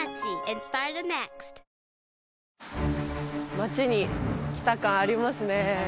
町に来た感ありますね